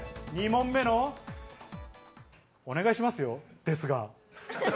２問目の、お願いしますよ。